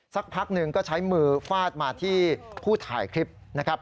สักพักหนึ่งก็ใช้มือฟาดมาที่ผู้ถ่ายคลิปนะครับ